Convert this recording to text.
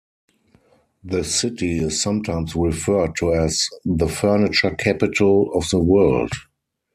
The city is sometimes referred to as the "Furniture Capital of the World".